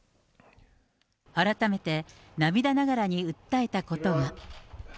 改めて涙ながらに訴えたことは。